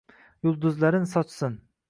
Yulduzlarin sochsin